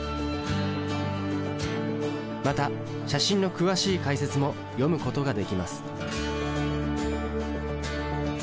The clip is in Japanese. また写真の詳しい解説も読むことができます。